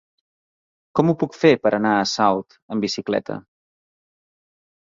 Com ho puc fer per anar a Salt amb bicicleta?